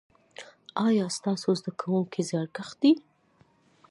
ایا ستاسو زده کونکي زیارکښ دي؟